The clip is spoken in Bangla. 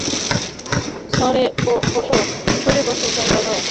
সরে বোসো, জায়গা দাও।